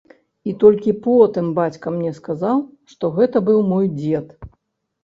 І толькі потым бацька мне сказаў, што гэта быў мой дзед.